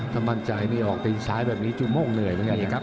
ความมั่นใจนี่ออกตีนซ้ายแบบนี้จุโม่งเหนื่อยมากยังไงครับ